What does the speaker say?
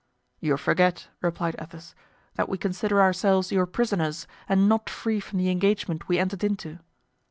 "You forget," replied Athos, "that we consider ourselves your prisoners and not free from the engagement we entered into."